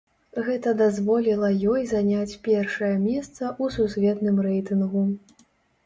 Гэта дазволіла ёй заняць першае месца ў сусветным рэйтынгу.